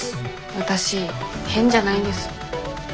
わたし変じゃないんです。